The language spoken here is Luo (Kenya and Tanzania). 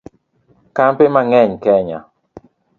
Kambe mang'eny Kenya